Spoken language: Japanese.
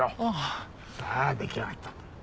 さあ出来上がった。